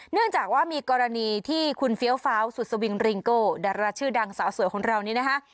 เนื่องจากว่ามีกรณีที่คุณเฟี้ยวฟ้าวสุดสวิงริงโก้ดาราชื่อดังสาวสวยของเรานี้นะคะ